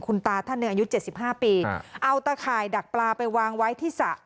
คุณตาท่านเนื้ออายุเจ็ดสิบห้าปีเอาตาข่ายดักปลาไปวางไว้ที่สระ